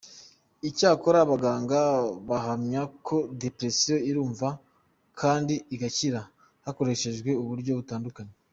Icyakora abaganga bahamya ko depression ivurwa kandi igakira, hakoreshejwe uburyo butandukanye.